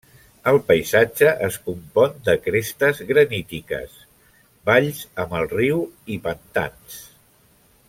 El paisatge es compon de crestes granítiques, valls amb el riu i pantans.